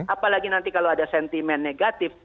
apalagi nanti kalau ada sentimen negatif